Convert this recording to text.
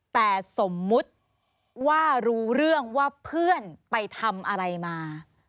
แต่สมมุติว่ารู้เรื่องว่าเพื่อนไปทำอะไรมา